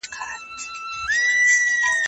زه مخکي تمرين کړي وو!.